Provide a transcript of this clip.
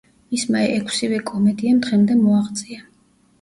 მისმა ექვსივე კომედიამ დღემდე მოაღწია.